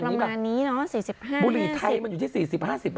ประมาณนี้เนอะ๔๕บุหรี่ไทยมันอยู่ที่๔๐๕๐บาท